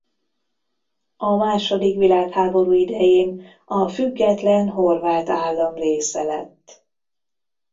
A második világháború idején a Független Horvát Állam része lett.